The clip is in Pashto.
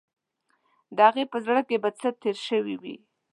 د هغې په زړه کې به څه تیر شوي وي.